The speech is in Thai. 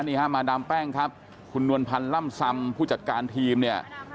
นี่ฮะมาดามแป้งครับคุณนวลพันธ์ล่ำซำผู้จัดการทีมเนี่ย